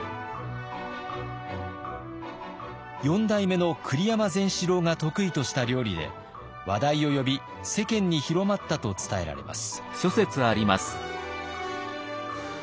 ４代目の栗山善四郎が得意とした料理で話題を呼び世間に広まったと伝えられます。